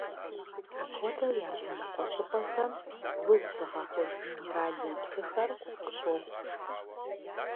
Апхуэдэу языныкъуэ щӀыпӀэхэм уз зыгъэхъуж минеральнэ псыхэр къыщохъу.